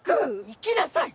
行きなさい！